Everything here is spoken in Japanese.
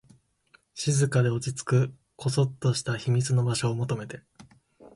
静かで、落ち着く、こそっとした秘密の場所を求めて